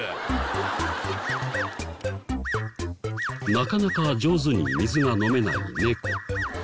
なかなか上手に水が飲めない猫。